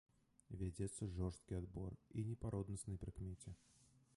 Вядзецца жорсткі адбор, і не па роднаснай прыкмеце.